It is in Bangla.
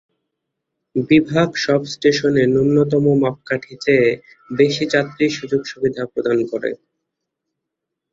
বিভাগ সব স্টেশনে ন্যূনতম মাপকাঠি চেয়ে বেশি যাত্রী সুযোগ-সুবিধা প্রদান করে।